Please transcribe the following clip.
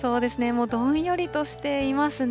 もうどんよりとしていますね。